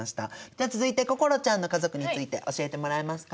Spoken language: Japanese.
じゃあ続いて心ちゃんの家族について教えてもらえますか？